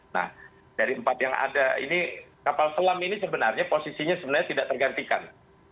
nah dari empat yang ada ini kapal selam ini sebenarnya posisinya sebenarnya tidak tergantikan